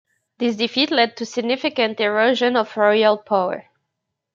This defeat led to significant erosion of royal power.